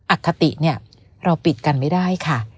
อคติเนี่ยเราปิดกันไม่ได้ค่ะ